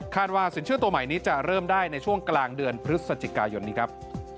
ว่าสินเชื่อตัวใหม่นี้จะเริ่มได้ในช่วงกลางเดือนพฤศจิกายนนี้ครับ